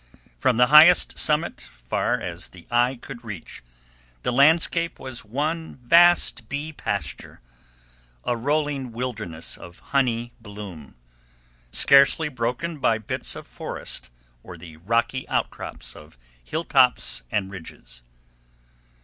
From the highest summit, far as the eye could reach, the landscape was one vast bee pasture, a rolling wilderness of honey bloom, scarcely broken by bits of forest or the rocky outcrops of hilltops and ridges.